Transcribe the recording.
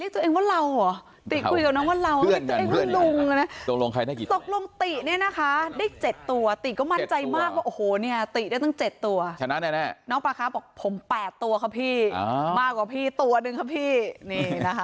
น้องปลาครัฟบอกผม๘ตัวครับพี่มากกว่าพี่ตัวนึงครับพี่